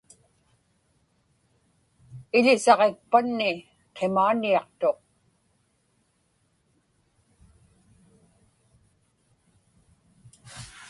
Iḷisaġikpanni qimaaniaqtuq.